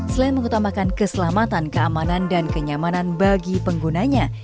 selain mengutamakan keselamatan keamanan dan kenyamanan bagi penggunanya